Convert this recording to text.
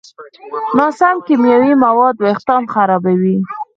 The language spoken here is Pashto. ناسم کیمیاوي مواد وېښتيان خرابوي.